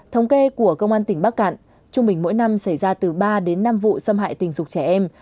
thống kê của công an tỉnh bắc cạn trung bình mỗi năm xảy ra từ ba đến năm vụ xâm hại tình dục trẻ em